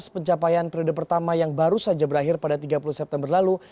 pencapaian periode pertama yang baru saja berakhir pada tiga puluh september lalu